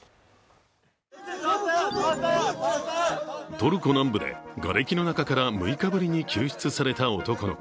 トルコ南部でがれきの中から６日ぶりに救出された男の子。